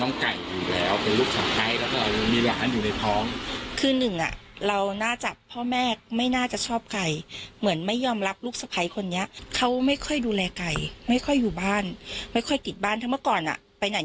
ต้องแล้วคือหนึ่งอ่ะเราน่าจะพ่อแม่ไม่น่าจะชอบไก่เหมือนไม่ยอมรับรูปสไพคนยังเขาไม่ค่อยดูแลไก่ไม่ค่อยอยู่บ้านไม่ค่อยติดบ้านทำก่อนอ่ะไปไหน